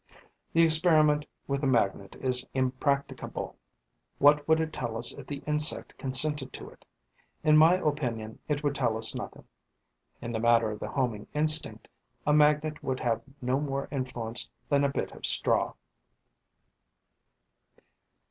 The experiment with the magnet is impracticable. What would it tell us if the insect consented to it? In my opinion, it would tell us nothing. In the matter of the homing instinct, a magnet would have no more influence than a bit of straw.